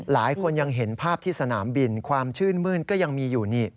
หลายคนยังเห็นภาพที่สนามบินความชื่นมื้นก็ยังมีอยู่นี่